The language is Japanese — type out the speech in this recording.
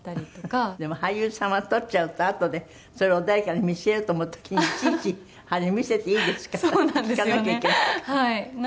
でも俳優さんは撮っちゃうとあとでそれを誰かに見せようと思う時にいちいち「あれ見せていいですか？」って聞かなきゃいけない。